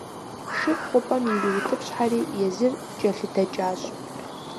Шыр хъупӀэм ириутӀыпщхьэри, езыр кӀэлъыдэкӀащ.